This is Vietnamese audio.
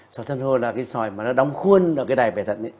sỏi san hô là cái sỏi mà nó đóng khuôn ở cái đài bề thận